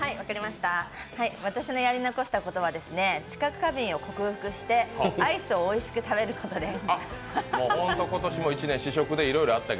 私のやり残したことは、知覚過敏を克服してアイスをおいしく食べることです。